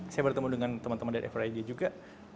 saya bertemu dengan teman teman dari fij juga